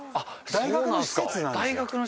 大学の施設なんですね。